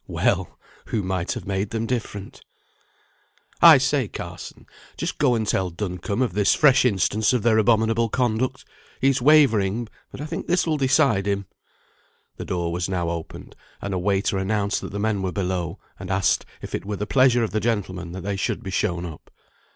(Well! who might have made them different?) "I say, Carson, just go and tell Duncombe of this fresh instance of their abominable conduct. He's wavering, but I think this will decide him." The door was now opened, and a waiter announced that the men were below, and asked if it were the pleasure of the gentlemen that they should be shown up.